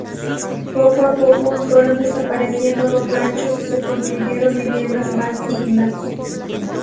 Poco a poco, fueron desapareciendo los ranchos y se construyeron viviendas más dignas.